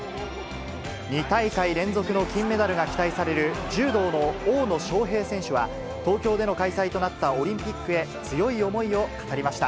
２大会連続の金メダルが期待される柔道の大野将平選手は、東京での開催となったオリンピックへ、強い思いを語りました。